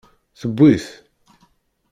Tewwi-t.